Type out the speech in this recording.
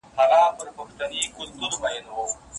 د دې قلا او د خانیو افسانې یادي وې